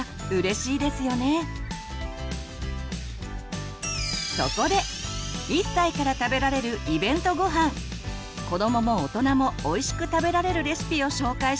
子どもも大人もおいしく食べられるレシピを紹介します。